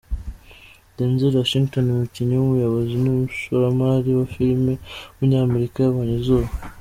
Denzel Washington, umukinnyi, umuyobozi n’umushoramari wa filime w’umunyamerika yabonye izuba.